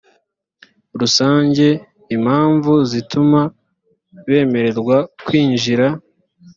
rusange impamvu zituma bemererwa kwinjira